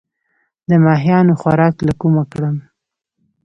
د ماهیانو خوراک له کومه کړم؟